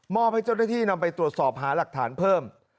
อบให้เจ้าหน้าที่นำไปตรวจสอบหาหลักฐานเพิ่ม